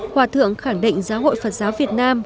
hòa thượng khẳng định giáo hội phật giáo việt nam